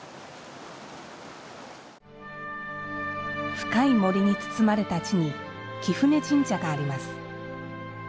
深い森に包まれた地に貴船神社があります。